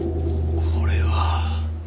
これは。